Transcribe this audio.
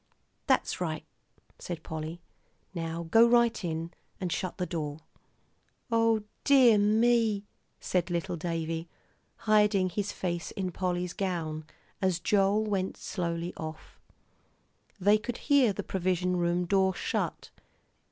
"That's right," said Polly; "now go right in and shut the door." "O dear me," said little Davie, hiding his face in Polly's gown, as Joel went slowly off. They could hear the provision room door shut.